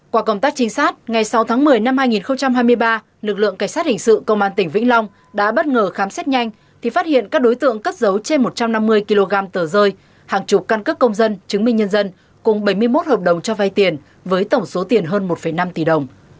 qua công tác trinh sát ngày sáu tháng một mươi năm hai nghìn hai mươi ba lực lượng cảnh sát hình sự công an tỉnh vĩnh long đã bất ngờ khám xét nhanh thì phát hiện các đối tượng cất dấu trên một trăm năm mươi kg tờ rơi hàng chục căn cức công dân chứng minh nhân dân cùng bảy mươi một hợp đồng cho vai tiền với tổng số tiền hơn một năm tỷ đồng